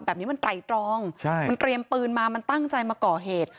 แบบนี้มันไตรตรองใช่มันเตรียมปืนมามันตั้งใจมาก่อเหตุ